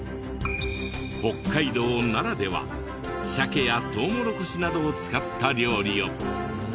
北海道ならでは鮭やとうもろこしなどを使った料理を。